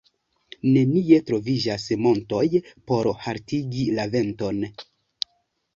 Nenie troviĝas montoj por haltigi la venton.